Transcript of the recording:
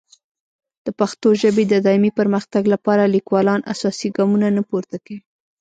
د پښتو ژبې د دایمي پرمختګ لپاره لیکوالان اساسي ګامونه نه پورته کوي.